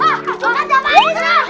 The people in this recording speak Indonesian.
ah itu kata mastrah